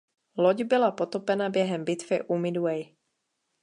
Loď byla potopena během bitvy u Midway.